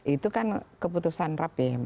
itu kan keputusan rapim